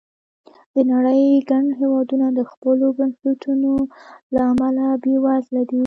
د نړۍ ګڼ هېوادونه د خپلو بنسټونو له امله بېوزله دي.